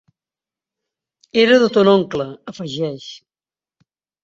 Era de ton oncle, afegeix.